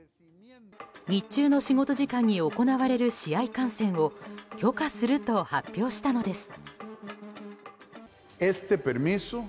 日中の仕事時間に行われる試合観戦を許可すると発表したのです。